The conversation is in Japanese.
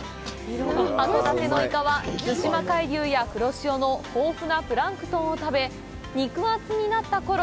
函館のイカは、対馬海流や黒潮の豊富なプランクトンを食べ肉厚になったころ